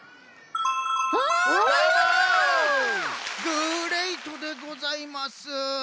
グレイトでございます！